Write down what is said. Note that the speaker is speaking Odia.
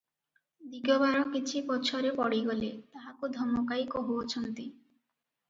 ଦିଗବାର କିଛି ପଛରେ ପଡ଼ିଗଲେ ତାହାକୁ ଧମକାଇ କହୁ ଅଛନ୍ତି